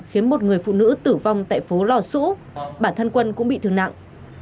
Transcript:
khiến một người phụ nữ tử vong tại phố lò sũ bản thân quân cũng bị thương nặng